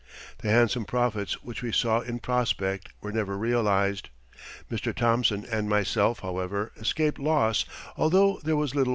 The handsome profits which we saw in prospect were never realized. Mr. Thomson and myself, however, escaped loss, although there was little margin left.